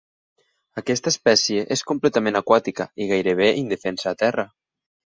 Aquesta espècie és completament aquàtica i gairebé indefensa a terra.